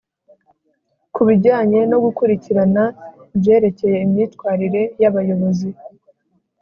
Ku bijyanye no gukurikirana ibyerekeye imyitwarire y Abayobozi